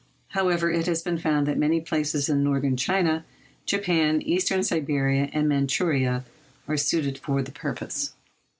However, it has been found that many places in Northern China, Japan, Eastern Siberia, and Manchouria are suitable for the purpose.